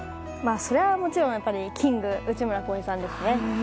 それはもちろんキング、内村航平さんですね。